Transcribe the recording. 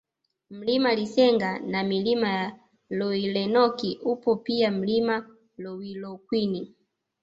Mlima Lisenga na Milima ya Loilenok upo pia Mlima Loiwilokwin